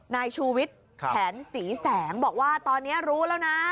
นายชูวิทย์แขนศรีแสงบอกว่าตอนนี้รู้แล้วนะ